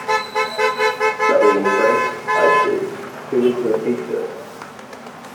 Studying French, I see; who is your teacher?